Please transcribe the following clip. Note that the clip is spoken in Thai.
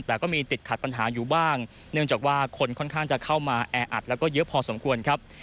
แต่ก็มีติดขัดปัญหาอยู่บ้างเนื่องจากว่าคนค่อนข้างจะเข้ามาแออัดแล้วก็เยอะพอสมควรครับ